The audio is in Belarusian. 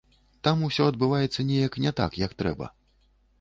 Там усё адбываецца неяк не так, як трэба.